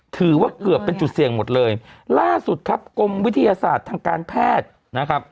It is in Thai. ถือว่าเกือบเป็นจุดเสี่ยงหมดเลยล่าสุดครับกรมวิทยาศาสตร์ทางการแพทย์นะครับ